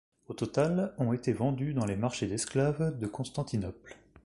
Au total, ont été vendus dans les marchés d'esclaves de Constantinople.